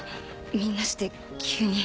みんなして急に。